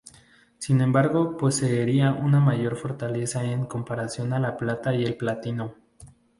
Sin embargo poseería una mayor fortaleza en comparación a la plata y el platino.